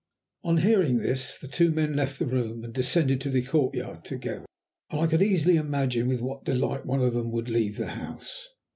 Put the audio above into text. On hearing this, the two men left the room and descended to the courtyard together, and I could easily imagine with what delight one of them would leave the house.